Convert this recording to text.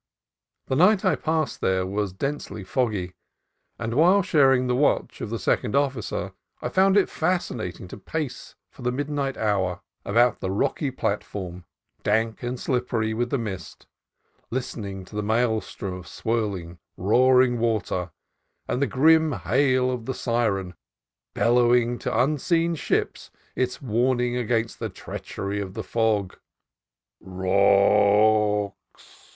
The night I passed there was densely foggy, and, while sharing the watch of the second officer, I found it fascinating to pace for the mid night hour about the rocky platform, dank and slip pery with the mist, listening to the maelstrom of swirling, roaring water, and the grim hail of the syren, bellowing to unseen ships its warning against the treachery of the fog — "Ro o o o o o ocks!"